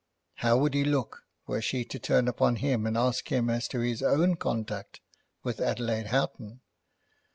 How would he look were she to turn upon him and ask him as to his own conduct with Adelaide Houghton?